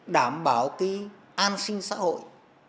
đảm bảo cái an sinh xã hội